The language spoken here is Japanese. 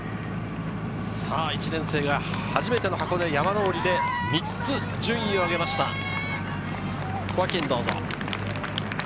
１年生が初めての箱根、山上りで３つ順位を上げました。